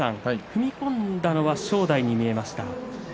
踏み込んだのは正代に見えました。